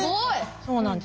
そうなんです。